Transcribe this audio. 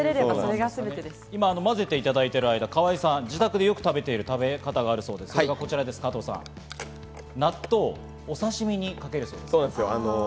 混ぜていただいている間、河合さん、自宅でよく食べている食べ方があるそうですが、納豆をお刺し身にかけるそうです。